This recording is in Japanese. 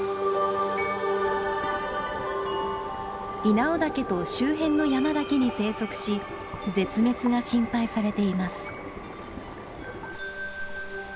稲尾岳と周辺の山だけに生息し絶滅が心配されています。